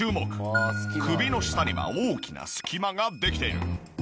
首の下には大きな隙間ができている。